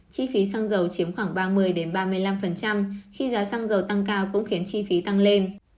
chi phí xăng dầu chiếm khoảng ba mươi ba mươi năm khi giá xăng dầu tăng cao cũng khiến chi phí tăng lên